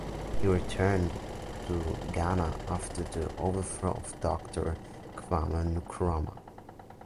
He returned to Ghana after the overthrow of Doctor Kwame Nkrumah.